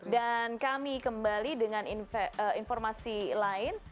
dan kami kembali dengan informasi lain